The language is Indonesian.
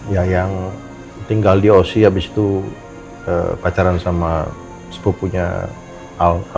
ya yang tinggal di osi abis itu pacaran sama sepupunya alka